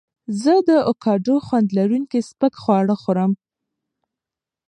زه د اوکاډو خوند لرونکي سپک خواړه خوړم.